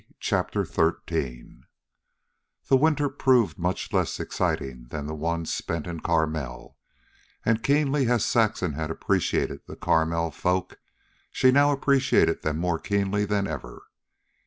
CHAPTER XIII The winter proved much less exciting than the one spent in Carmel, and keenly as Saxon had appreciated the Carmel folk, she now appreciated them more keenly than ever.